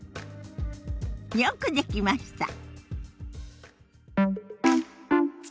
よくできました。